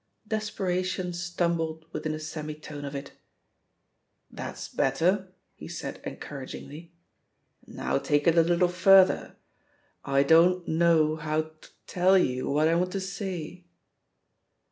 " Desperation stumbled within a semi tone of it. "That's better," he said encouragingly. Now take it a little further: *I don't know how to tell you what I want to say.'